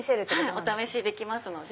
お試しできますので。